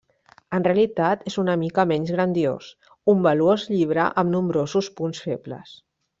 En realitat és una mica menys grandiós: un valuós llibre amb nombrosos punts febles.